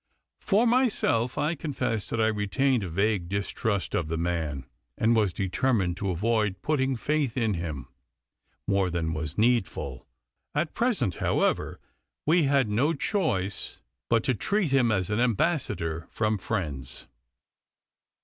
For myself, I confess that I retained a vague distrust of the man, and was determined to avoid putting faith in him more than was needful. At present, however, we had no choice hut to treat him as an ambassador from friends.